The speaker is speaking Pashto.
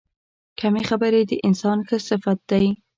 کمې خبرې، د انسان ښه صفت دی.